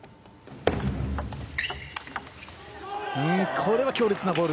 これは強烈なボール。